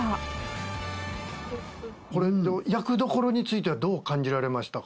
これ役どころについてはどう感じられましたか？